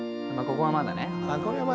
これはまだね